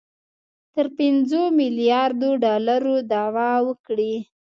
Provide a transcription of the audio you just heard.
تر پنځو میلیاردو ډالرو دعوه وکړي